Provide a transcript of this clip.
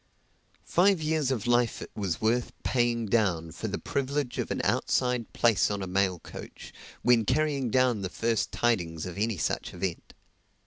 Five years of life it was worth paying down for the privilege of an outside place on a mail coach, when carrying down the first tidings of any such event.